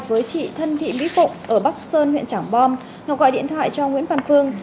với chị thân thị mỹ phụng ở bắc sơn huyện trảng bom ngọc gọi điện thoại cho nguyễn văn phương